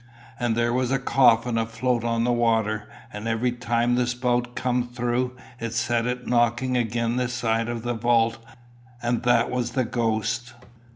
And there was a coffin afloat on the water, and every time the spout come through, it set it knocking agen the side o' the wout, and that was the ghost."